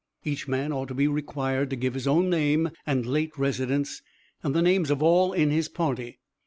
Each man ought to be required to give his own name and late residence, and the names of all in his party.